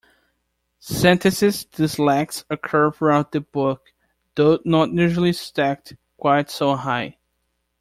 Sentences this lax occur throughout the book, though not usually stacked quite so high.